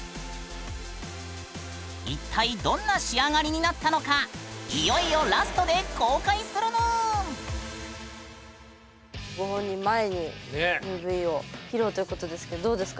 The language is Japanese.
一体どんな仕上がりになったのかご本人前にＭＶを披露ということですけどどうですか？